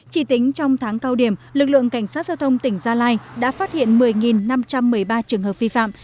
chỉ tính trong tháng cao điểm lực lượng cảnh sát giao thông tỉnh gia lai đã phát hiện một mươi năm trăm một mươi ba trường hợp vi phạm